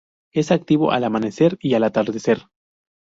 Es activo al amanecer y al atardecer.